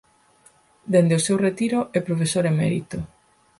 Dende o seu retiro é profesor emérito.